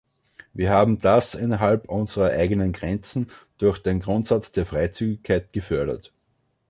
Wir haben das innerhalb unserer eigenen Grenzen durch den Grundsatz der Freizügigkeit gefördert.